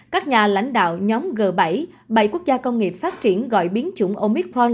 các nhà lãnh đạo nhóm g bảy bảy quốc gia công nghiệp phát triển gọi biến chủng omitpron